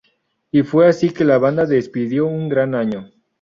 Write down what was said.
Y fue así que la banda despidió un gran año.